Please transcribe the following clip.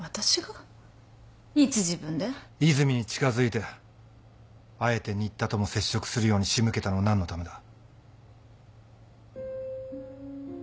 和泉に近づいてあえて新田とも接触するように仕向けたのは何のためだ？